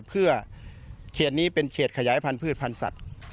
เพื่อเขตนี้เป็นเขตขยายพันธุ์พันธ์สัตว์